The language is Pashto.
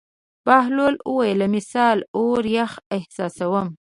بهلول وویل: مثلاً اور یخ احساسوم.